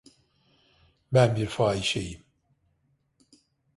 Ben bir fahişeyim.